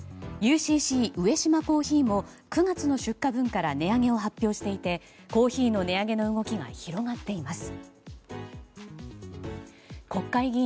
ＵＣＣ上島珈琲も９月の出荷分から値上げを発表していてコーヒーの値上げの動きが広がっています。